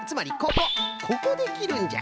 ここできるんじゃ。